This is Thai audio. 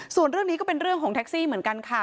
ส่วนเรื่องนี้ก็เป็นเรื่องของแท็กซี่เหมือนกันค่ะ